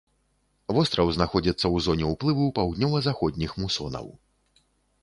Востраў знаходзіцца ў зоне ўплыву паўднёва-заходніх мусонаў.